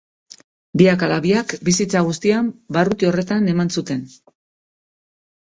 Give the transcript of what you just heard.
Biak ala biak, bizitza guztian barruti horretan eman zuten.